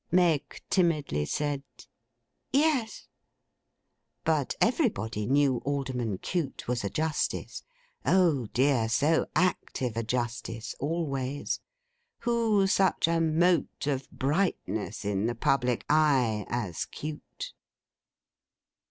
Meg timidly said, 'Yes.' But everybody knew Alderman Cute was a Justice! Oh dear, so active a Justice always! Who such a mote of brightness in the public eye, as Cute!